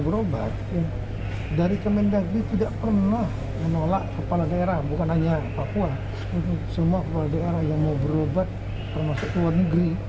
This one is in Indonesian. berobat dari kemendagri tidak pernah menolak kepala daerah bukan hanya semua berobat ke luar negeri